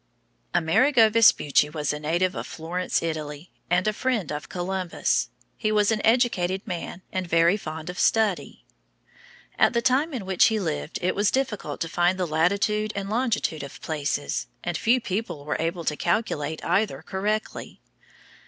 Amerigo Vespucci was a native of Florence, Italy, and a friend of Columbus. He was an educated man and very fond of study. [Illustration: Amerigo Vespucci.] At the time in which he lived it was difficult to find the latitude and longitude of places, and few people were able to calculate either correctly.